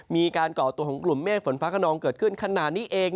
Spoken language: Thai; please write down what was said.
มีการเกาะตัวของกลุ่มเมฆฝนฟ้าขนองเกิดขึ้นขนาดนี้เอง